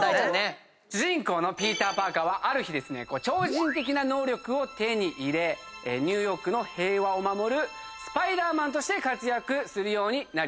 主人公のピーター・パーカーはある日超人的な能力を手に入れニューヨークの平和を守るスパイダーマンとして活躍するようになります。